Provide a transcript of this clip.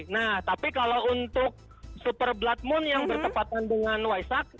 nah tapi kalau untuk super blood moon yang bertepatan dengan waisak